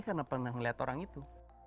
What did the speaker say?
karena pernah melihat orang itu